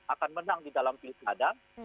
akan menang di dalam pilih kadang